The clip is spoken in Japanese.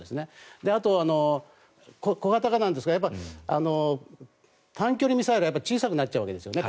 あとは小型化なんですが短距離ミサイルは小さくなっちゃうわけですよね。